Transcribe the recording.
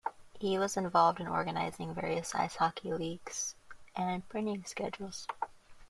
He was involved in organizing various ice hockey leagues and printing schedules.